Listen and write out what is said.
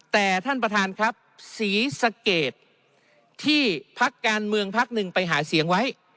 แต่ท่านประธานครับศรีสะเกดที่พักการเมืองพักหนึ่งไปหาเสียงไว้